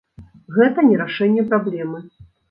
Гэта не рашэнне праблемы.